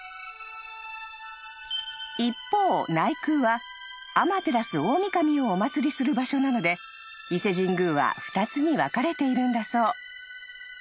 ［一方内宮は天照大御神をお祭りする場所なので伊勢神宮は２つに分かれているんだそう］